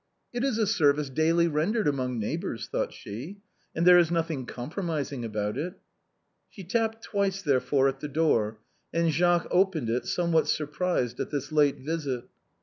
" It is a service daily rendered amongst neighbors," thought she, " and there is nothing compromising about it." She tapped twice, therefore, at the door, and Jacques opened it, somewhat surprised at this late visit.